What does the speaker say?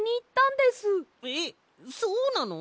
えっそうなの？